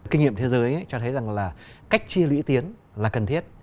kinh nghiệm thế giới cho thấy rằng là cách chia lũy tiến là cần thiết